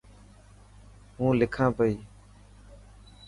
هو لکان پئي.